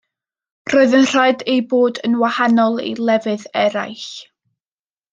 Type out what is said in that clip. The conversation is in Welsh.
Roedd yn rhaid ei bod yn wahanol i lefydd eraill.